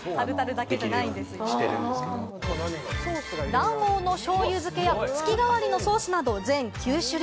卵黄の醤油漬けや月替わりのソースなど全９種類。